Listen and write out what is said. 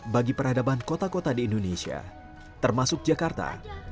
bagi peradaban kota kota di indonesia termasuk jakarta